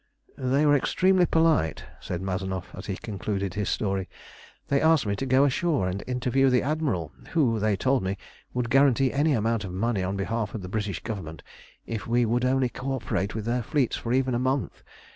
"They were extremely polite," said Mazanoff, as he concluded his story. "They asked me to go ashore and interview the Admiral, who, they told me, would guarantee any amount of money on behalf of the British Government if we would only co operate with their fleets for even a month.